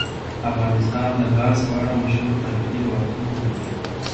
افغانستان د ګاز په اړه مشهور تاریخی روایتونه لري.